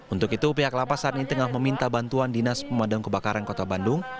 untuk itu pihak lapas saat ini tengah meminta bantuan dinas pemadam kebakaran kota bandung